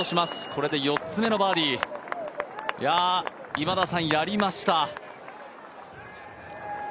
これで４つ目のバーディー、今田さん、やりました。